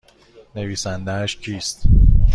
نویسندهاش کیست؟